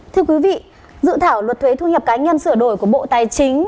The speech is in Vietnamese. thưa quý vị dự thảo luật thuế thu nhập cá nhân sửa đổi của bộ tài chính